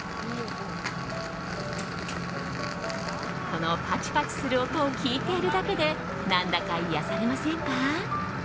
このパチパチする音を聞いているだけで何だか癒やされませんか？